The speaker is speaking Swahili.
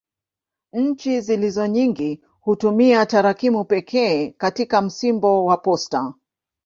Nchi zilizo nyingi hutumia tarakimu pekee katika msimbo wa posta.